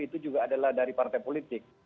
itu juga adalah dari partai politik